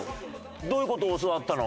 どういう事を教わったの？